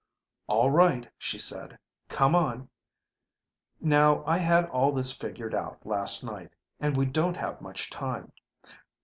"All right," she said. "Come on. Now I had all this figured out last night. And we don't have much time.